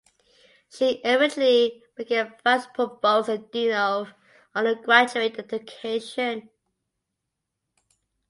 She eventually became Vice Provost and Dean of Undergraduate Education.